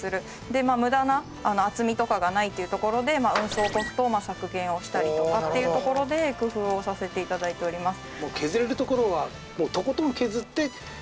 で無駄な厚みとかがないというところで運送コストを削減をしたりとかっていうところで工夫をさせて頂いております。